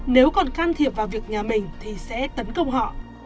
nếu còn can thiệp vào việc nhà mình thì sẽ tấn công họ